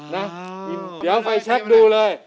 เดี๋ยวไฟแชคดูเลย